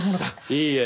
いいえ。